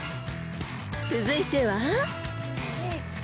［続いては］